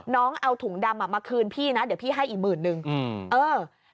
น้องเอาถุงดำอ่ะมาคืนพี่นะเดี๋ยวพี่ให้อีกหมื่นนึงอืมเออ